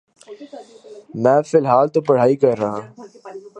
میں فلحال تو پڑہائی کر رہا۔